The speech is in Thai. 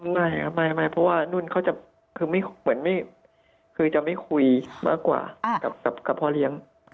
ไม่เพราะว่านู่นเขาจะคือไม่คุยมากกว่ากับพ่อเลี้ยง